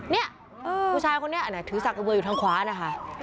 เนี่ยผู้ชายคนนี้ถือสักเบอร์อยู่ทางขวานะคะ